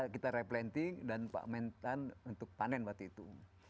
kita replanting dan pak mentan untuk panen waktu itu